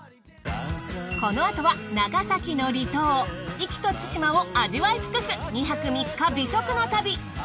このあとは長崎の離島壱岐と対馬を味わい尽くす２泊３日美食の旅。